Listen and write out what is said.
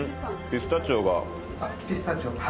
・ピスタチオも。